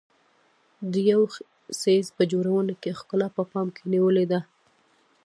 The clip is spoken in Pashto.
د یو څیز په جوړونه کې ښکلا په پام کې نیولې ده.